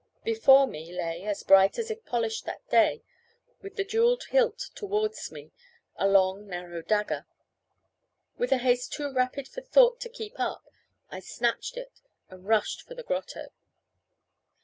Before me lay, as bright as if polished that day, with the jewelled hilt towards me, a long narrow dagger. With a haste too rapid for thought to keep up, I snatched it, and rushed to the grotto.